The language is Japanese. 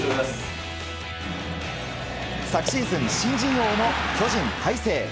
昨シーズン新人王の巨人・大勢。